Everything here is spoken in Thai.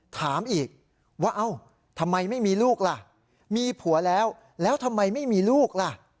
ถามอีกว่าเอ้าทำไมไม่มีลูกล่ะมีผัวแล้วแล้วทำไมไม่มีลูกล่ะ